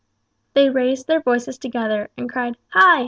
They raised their voices together, and cried "Hi!